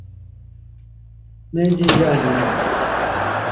Neji azal'i an